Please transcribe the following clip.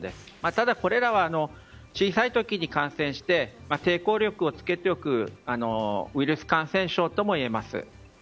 ただこれらは小さい時に感染して抵抗力をつけておくウイルス感染症ともいえます。